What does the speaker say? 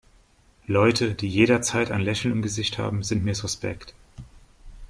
Leute, die jederzeit ein Lächeln im Gesicht haben, sind mir suspekt.